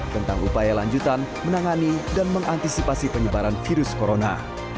tentang upaya lanjutan menangani dan mengantisipasi penyebaran virus corona